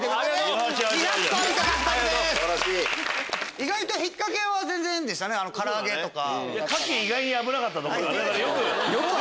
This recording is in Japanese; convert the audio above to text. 意外とひっかけは全然でしたね唐揚げとか。